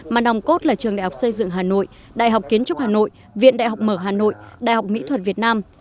mà nồng cốt là trường đại học xây dựng hà nội đại học kiến trúc hà nội viện đại học mở hà nội đại học mỹ thuật việt nam